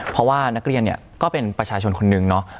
เพราะว่านักเรียนเนี่ยก็เป็นประชาชนคนนึงเนาะ